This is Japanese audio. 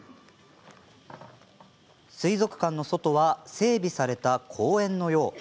水族館の外は整備された公園のよう。